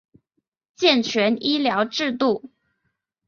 健全医疗制度